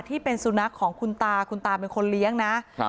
ที่เป็นสุนัขของคุณตาคุณตาเป็นคนเลี้ยงนะครับ